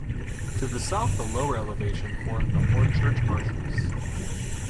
To the south the lower elevation formed the Hornchurch Marshes.